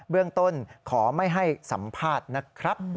เรื่องต้นขอไม่ให้สัมภาษณ์นะครับ